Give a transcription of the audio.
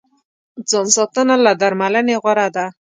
ځان ساتنه له درملنې غوره ده.